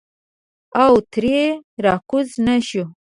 او ترې راکوز نه شو.